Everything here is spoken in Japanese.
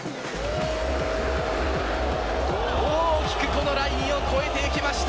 大きくラインを越えていきました。